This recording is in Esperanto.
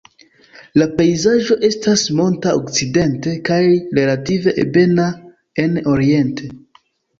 La pejzaĝo estas monta okcidente kaj relative ebena en oriente.